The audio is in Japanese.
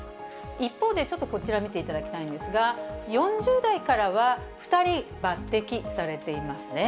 一方でちょっとこちら見ていただきたいんですが、４０代からは２人抜てきされていますね。